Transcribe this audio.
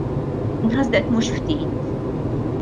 Inħasdet mhux ftit.